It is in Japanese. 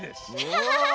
ハハハハハ！